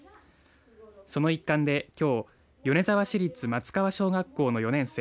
その一環で、きょう米沢市立松川小学校の４年生